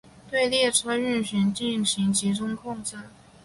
对列车运行进行集中控制。